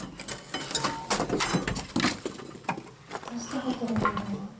どうしてホテルにいるの？